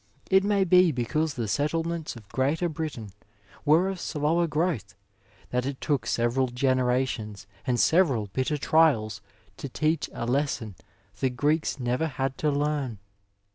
It may be because the settle ments of greater Britain were of slower growth that it took several generations and several bitter trials to teach a lesson the Greeks never had to learn.